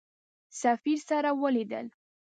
سفیر سره ولیدل.